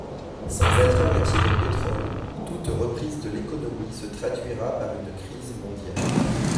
Sans alternative au pétrole, toute reprise de l'économie se traduira par une crise mondiale.